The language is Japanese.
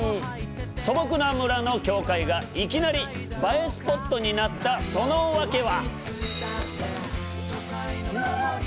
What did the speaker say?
素朴な村の教会がいきなり映えスポットになったその訳は？